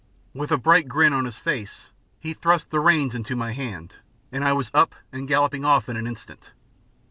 With a bright grin on his face he thrust the reins into my hand, and I was up and galloping off in an instant.